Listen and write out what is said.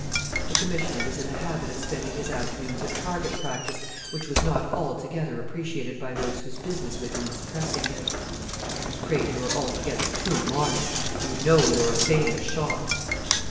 The Commissioner was in the habit of spending his afternoons at target practice, which was not altogether appreciated by those whose business with him was pressing. "I'm afraid you are altogether too modest; you know you're a famous shot."